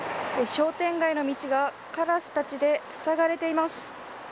商店街の道がカラスたちでふさがれています。